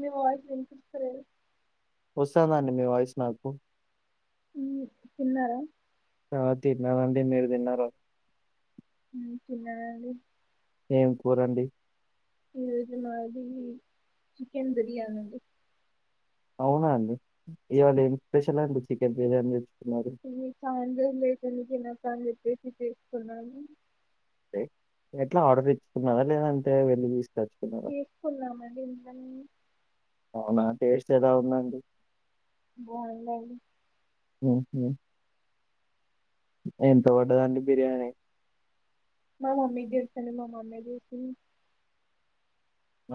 మీ voice వినిపిస్తలేదు వస్తుందండి మీ వాయిస్ నాకు తిన్నారా ఆ తిన్నామండి మీరు తిన్నారా ఉమ్ చిన్నదే అండి ఏం కూర అండి ఈరోజు మాది చికెన్ బిర్యానీ అండి అవునా అండి ఇవాళ ఏం స్పెషల్ అండి చికెన్ బిర్యానీ తెచ్ తిని చాలా రోజులు అయితాంది తినబ్ అని జెప్పేసి చేసుకున్నాను ఎట్లా ఆర్డర్ పెట్టుకున్నారా లేదంటే వెళ్లి తిస్ తీసుకున్నామండి ఇంట్లనే అవునా టేస్ట్ ఎలా ఉందండి బ్వాందండి ఆ [unintelligible] ఎంత పడ్డది అండి బిర్యానీ మా మమ్మీకి దెలుసండి మా మమ్మీ జూస్ తిను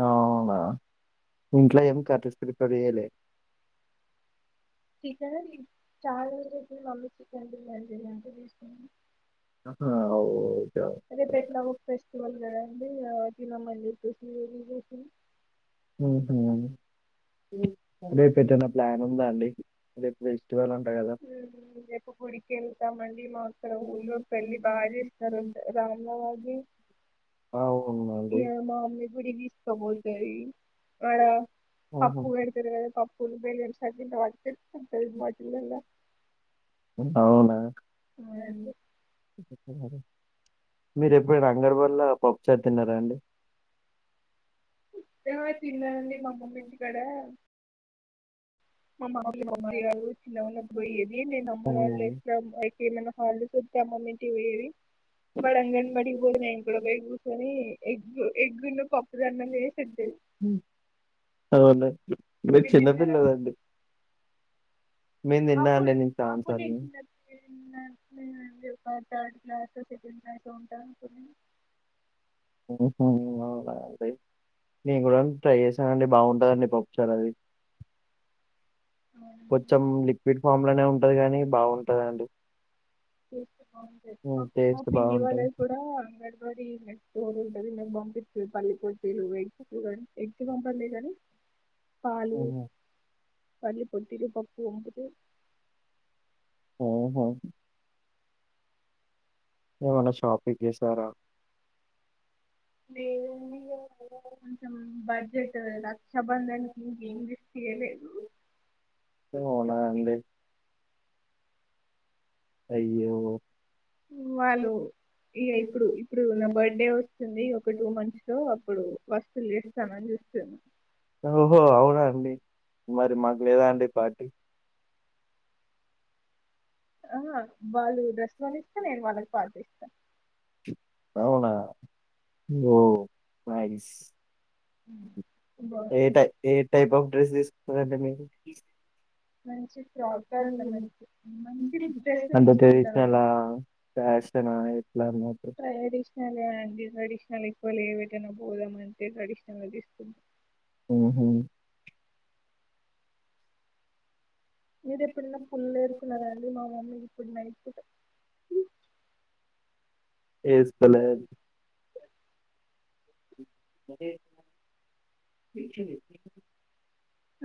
అవునా ఇంట్లో ఏం కర్రీస్ ప్రిపేర్ చేయలే చికెనె దీ చాలా రోజులు అయిపోయింది మమ్మీ చి జ అంట తీసుకు [inaudible] అట్లనా అవు రేపు ఎట్లాగో ఫెస్టివల్ కదా అండి ఆ తినమండి [unintelligible] [inaudible] రేపు ఎటన్న ప్లాను ఉందా అండి ఫెస్టివల్ అంట కదా రేపు గుడికి వెళ్తామండి మా ఇక్కడ ఊర్లో పెళ్లి బాగా చేస్తారు రాములవారిది అవునండి. ఇగ మామ్మి గుడి దిస్ [unintelligible] ఆడ ఆహా! పప్పు పెడతరు కదా పప్పులు బెల్లంమ్స్ మజూ [unintelligible] ఆ అండి మీరు ఎప్పుడైనా అంగడి బల్లో పప్పు చారు తిన్నారా అండి ఆ తిన్నానండి మా అమ్మమ్మ ఇంటి కాడ మా అమ్మ వాళ్లు పంపేవారు చిన్నగ ఉన్నప్పుడు పోయేది నేను అమ్మ వాళ్ళు బడికి ఏమైనా హాలిడేస్ వత్తే అమ్మొళ్లు టి పోయేది బడిఅంగన్ బడి పొయ్యి నేను కూడా కూస్సొని ఎగ్గు ఎగ్గును పప్పుదన్నం దినేసి వచ్చేది హ్మ్. అవునా? మీరు చిన్నపిల్లలు అండి అప్పుడు నేను చాలా ఆప్పును సార్లు. చిన్న పిల్లను నేను [unintelligible] థర్డ్ క్లాస్ సెకండ్ క్లాసో ఉంటా అనుకోని హ్ హు అవున అండి. నేను కూడా ట్రై చేసనండి బాగుంటందండి. పప్పుచార్ అది కొంచెం లిక్విడ్ ఫామ్ లోనే ఉంటది. కానీ బాగుంటదండి. చేస్తే బాగుంటంది. మా మా టేస్ట్ పిన్నీ బాగుంటది వాళ్ళది కూడా అంగడిబడి మెస్ స్టోర్ ఉంటది. నాకు పంపిస్తది. పల్లి పట్టిలు ఎగ్స్ కాని ఎగ్స్ పంపదిలే గాని పాలు పల్లి వట్టిదే పప్పు వంపుతది. ఓహో ఏమన్నా షాపింగ్ చేసారా లేదు కొంచెం బడ్జెట్ రక్ష బంధానికి ఇన్ వెస్ట్ చేయలేదు. అవునా అండి అయ్యో వాళ్ళు ఇగా ఇప్పుడు ఇప్పుడు నా బర్త్ డే వస్తుంది. ఒక టూ మంత్స్ లో అప్పుడు వస్తువులు చేస్తామాని చూస్తున్న ఓ అవునా అండి మరి మాకు లేదా అండి పార్టీ ఆ బాలి వుడ్ డ్రెస్ కోని ఇస్తే నేను వాళ్ళకు పార్టి ఇస్తా అవునా ఓ నైస్ హ్మ్. బా ఏ టైమ్ ఏ టైప్ ఆఫ్ డ్రెస్ తీసుకుంటరూ అండి మీరు మంచి ఫ్రాప్ర్లే మన మంచి డ్రెస్ అంటే ట్రెడిషనల్ తీసుకుంటామండి. ఫ్యాషన్ ఎట్లా అన్నట్టు ట్రెడిషనల్ అండి ట్రెడిషనల్ వాళ్ళు ఏం ఏటన్న పోదాం అంటే ట్రెడిషనగా తీసుకుం ఉహ్ మీది ఎప్పుడన్న పల్లెరుకున్నారండి. మా మమ్మీ గుడ్ నైట్ పూట ఏస్కోలేద్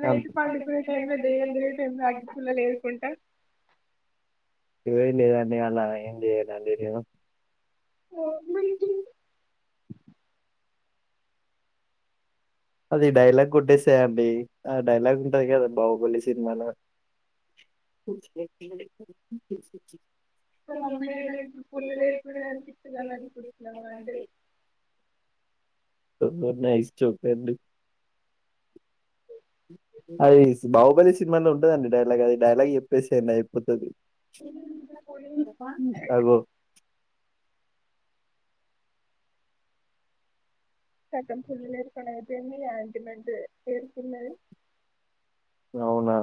నైట్ పండుకునే టైం ల దయ్యాలు తిరిగే టైం ల అగ్గిపుల్లలు ఏరుకుంటా అదేం లేదండి అలా ఏం చెయ్యను నేను మా మమ్మీకి అది డైలాగ్ కొట్టేసా అండి. ఆ డైలాగ్ ఉంటది గాదా బాహుబలి సినిమాల మా మమ్మి డాడీ పుల్లేరుకునే దానికి పిచ్చిదాన్ని అనుకుంటున్నావా అంటది. పొద్దున్నే నైస్ జోక్ అండి. అది బాహుబలి సినిమాలో ఉంటదండి. డైలాగ్ అది డైలాగ్ చెప్పేసేయండి. అయిపోతది అంటది. అగో సకం పుల్లలు ఎరుకునేది అయితే ఏందీ ఆంట్మెంట్ ఏరుకున్నది. అవునా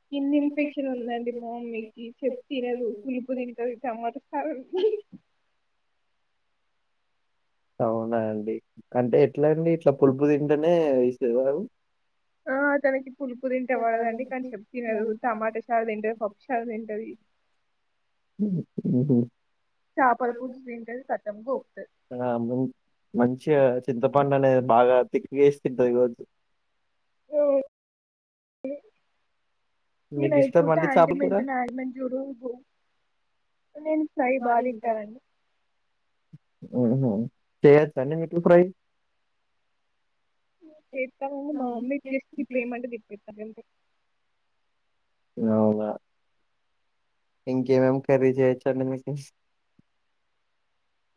స్కిన్ ఇన్ఫెక్షన్ ఉందండి మా మమ్మీకి చెప్తే తినదు పులుపు తింటది టమాటా కారం అవునా అండి అంటే ఎట్లా అండి ఇట్లా పులుపు తింటేనే [unintelligible] ఆ తనకి ఉలుపు తింటే పడదండి కానీ చెప్తే వినదు టమాటా చారూ తింటది పప్పు చారూ తింటది ఉహు చేపల [unintelligible] పులుసు తింటది కతం గోకుతది ఆ ము మంచి చింతపండు అనేది బాగా తికేస్తు తింటది కావచ్చు అ నేన మీకు ఇష్టం అయిపోతే అండి చేపల కూర యాంటిమెంటునే యాంటీ మెంట్ చూడు నేను చయి బాగా తింటానండి ఆహ చేసెకి వచ్చా అండి మీకు ఫ్రై చెత్త ను గాని మా మమ్మీ జస్ట్ తీప్పేమంటె తిప్పతాను అంతే అవునా ఇంకేం ఏమేమి కర్రీ చేయవచ్చు అండీ మీకీ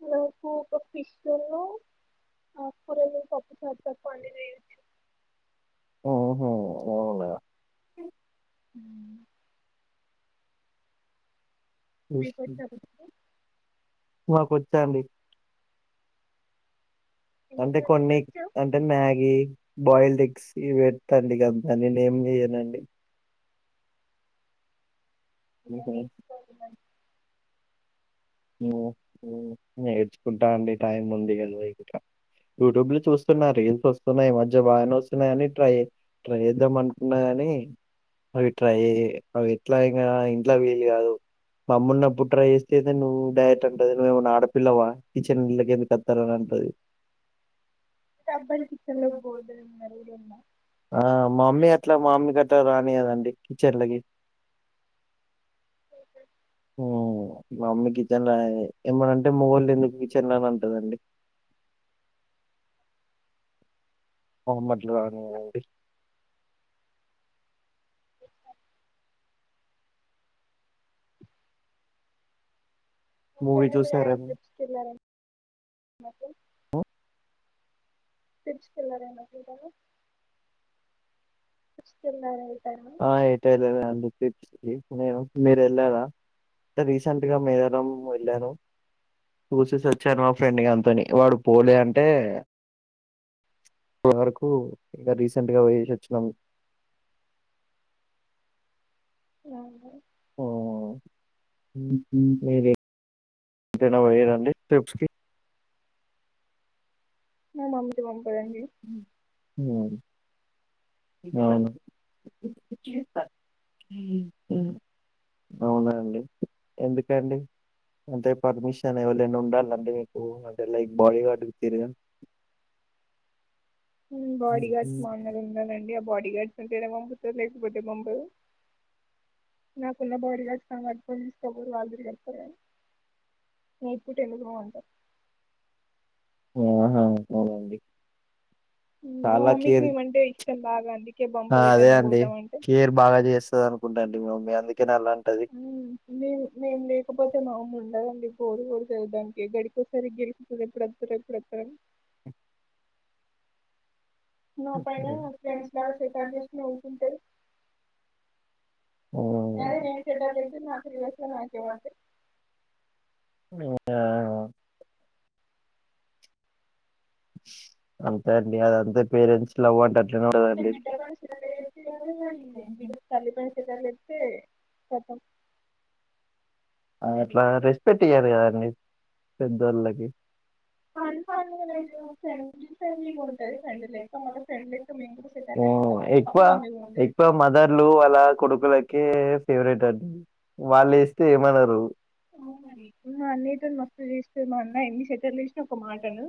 నాకు ఒక పిష్ ఆకూరలు తప్ప [unintelligible] ఓహో! అవునా! హు మీకు వచ్చా [inaudible] మాకు వచ్చాండి అంటే కొన్ని వచ్చావు అంటే మ్యాగి బాయిల్డ్ ఎగ్స్ పెడతాండి ఇక నేను ఏం చేయనండి హుహు. [unintelligible] నేర్చుకుంటా అండి టైం ఉంది కద ఇంకా యూట్యూబ్ లో చూస్తున్నా రీల్స్ వస్తున్నాయి. మధ్య బానే వస్తున్నాయి అని ట్రై ట్రై చేద్దాం అనుకున్నా కాని అవి ట్రై అవి ఎట్లా ఇంకా ఇంట్లో వీలు కాదు మా అమ్మ ఉన్నప్పుడు ట్రై చేస్తే తే నువ్వు డైెట్ అంటది నువ్వు ఏమన్నా ఆడపిల్లవా కిచెన్ లోకి ఎందుకు వత్తాన్నావ్ అని అంటది అంటే అబ్బాయిలు కిచెన్ లోకి పోవద్దని ఏమన్నా రూల్ ఉందా ఆ మా మమ్మీ అట్లా మా మమ్మీ గట్ట రానియాదండి కిచెన్ లేకి ఊ మా మమ్మీ కిచెన్ రా ఏమనంటే మోగోళ్ళ ఎందుకు కిచెన్ లోన అంటదండి మా మమ్మీ అట్లా రానియాదండి మూవీ ఇంకేంటి మీరు చూసార ఏమైనా ట్రిప్స్కి [inaudible] [inaudible] ట్రిప్స్ వెళ్ళినార ఆ ఎటు వెళ్ళలేదండి ట్రిప్స్ నేను మీరు వెళ్ళారా రీసెంట్గా మేడారం వెళ్ళాను చూసేసి వచ్చాను మా ఫ్రెండ్గా అంతోని వాడు పోలే అంటే ఇప్పటి వరకు ఇంకా రీసెంట్గా పోయోసి వచ్చినాం అవునా ఊ మీరు ఎక్కడికైనా వెళ్ళారా అండి ట్రిప్స్ కి [unintelligible] పంపదు అండి అమ్మో అవును అవునా అండి ఎందుకండి అంటే పర్మిషన్ ఎవరనా ఉండాలండి మీకు అంటే లైక్ బాడీ గార్డుకి తిరుగా హు బాడీ గార్డ్స్ మా అన్నలు ఉన్నారండీ ఆ బాడీ గార్డ్స్ తిన పంపుతో లేకపోతే బొంబదు, నాకున్న బౌరింగ్ లైఫ్ కి మ హస్బెండ్ వాళ్ళ దగరికి వెళ్తారు కానీ నైట్ పూట ఎందుకు అంటారు. ఆహా అవునండి మ చాలా కేర్ మమ్మీకి మండే మాగాంధీ ఆ అదే అండి కేర్ బాగా చేస్తది అనుకుంటాండి మి మామ్ మే మేము లేకపోతే మా అమ్మ ఉండదండి కోరు కోరు చదాంక గడికిసారి గరికితుంది ఇప్పుడుంతర ఇప్పుడువతార ఫ్రెండ్స్ లాగా సెటర్లు వేసి నవ్వుకుంటది ఆ అదే నేను సెటర్లు వేస్తే నాకు రివర్స్ లో నాకే పడతయి ఆ అంతే అండి అదంతే పేరెంట్స్ లవ్ అంటారు అంటే బిడ్డ పైన చెటలు చేస్తే నీ మ బిడ్ తల్లి పైన చెటలు చేస్తే గతం అట్లా రెస్పెక్ట్ ఇయ్యారు కదండి పెద్దోళ్ళకి ఫన్ ఫన్ గా లేదు ఫ్రెండ్లీ ఫ్రెండ్లీగా ఉంటది ఫ్రెండ్ లెక్క మళ్ళ ఫ్రెండ్ లెక్క మేము కూడా సెటర్లు వేస్తే మ్ కతం ఎక్కువ అప్పుడు మమ్మీ గుంతది ఎక్కువ మదర్లు అలా కొడుకులకి ఫేవరెట్ అండి వాళ్ళు వేస్తే ఏమన్నారు అ అవనండి ఇప్పుడు మ అన్నతోని మస్తు ఎన్ని సెటేర్ వే ఒక మాటను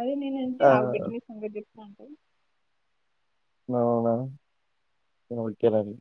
అదే నేను అంచి ఆ, ఆగబడ్ సంగతి చెప్ అంట అవునా ఒకే అండి